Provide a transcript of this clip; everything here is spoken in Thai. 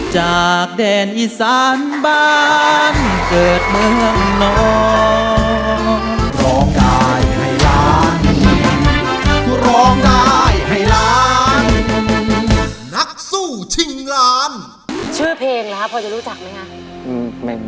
ชื่อเพลงแล้วพอจะรู้จักไหมคะ